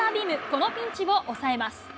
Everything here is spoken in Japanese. このピンチを抑えます。